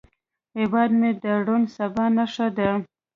هیواد مې د روڼ سبا نښه ده